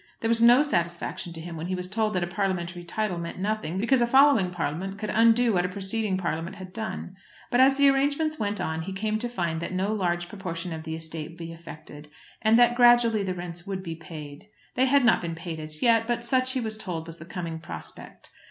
There was no satisfaction to him when he was told that a Parliamentary title meant nothing, because a following Parliament could undo what a preceding Parliament had done. But as the arrangements went on he came to find that no large proportion of the estates would be affected, and that gradually the rents would be paid. They had not been paid as yet, but such he was told was the coming prospect.